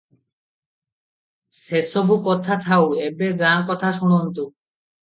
ସେସବୁ କଥା ଥାଉ, ଏବେ ଗାଁକଥା ଶୁଣନ୍ତୁ ।